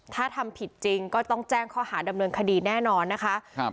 ถ้าทำผิดจริงก็ต้องแจ้งข้อหาดำเนินคดีแน่นอนนะคะครับ